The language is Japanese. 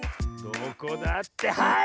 どこだってはい！